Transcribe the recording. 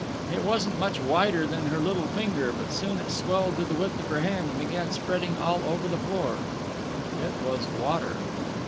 It wasn't much wider than her little finger, but soon it swelled to the width of her hand, and began spreading all over the floor. It was water.